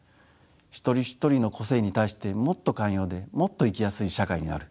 一人一人の個性に対してもっと寛容でもっと生きやすい社会になる。